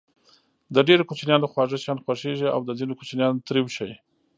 د ډېرو کوچنيانو خواږه شيان خوښېږي او د ځينو کوچنيانو تريؤ شی.